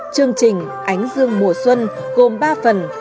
chương trình ánh dương mùa xuân gồm ba phần